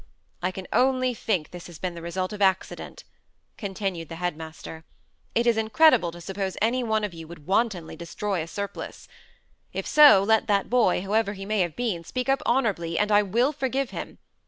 "I can only think this has been the result of accident," continued the head master. "It is incredible to suppose any one of you would wantonly destroy a surplice. If so, let that boy, whoever he may have been, speak up honourably, and I will forgive him.